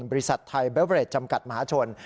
บริษัทไทยเบเวรดจำกัดมหาชน